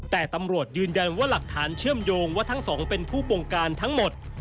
แต่ตำรวจยืนยันว่าหลักฐานเชื่อมโยงว่าทั้งสองเป็นผู้ปงการทั้งหมด